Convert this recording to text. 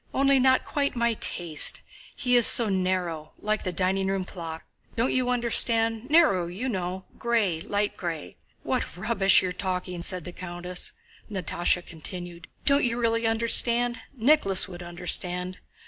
Only not quite my taste—he is so narrow, like the dining room clock.... Don't you understand? Narrow, you know—gray, light gray..." "What rubbish you're talking!" said the countess. Natásha continued: "Don't you really understand? Nicholas would understand....